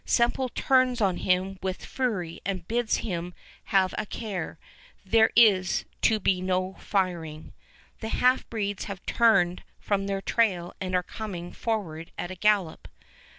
Semple turns on him with fury and bids him have a care: there is to be no firing. The half breeds have turned from their trail and are coming forward at a gallop.